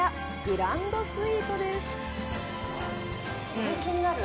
グランドスイートです